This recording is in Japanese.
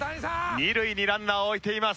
二塁にランナーを置いています。